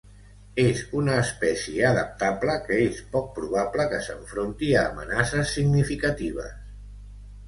És una espècie adaptable que és poc probable que s'enfronti a amenaces significatives.